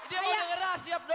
dia mau dengernya asyap dong